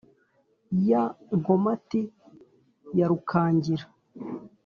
ya nkomati ya rukangira,